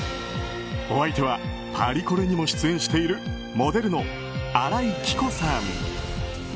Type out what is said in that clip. お相手はパリコレにも出演しているモデルの新井貴子さん。